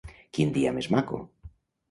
Quin dia més maco!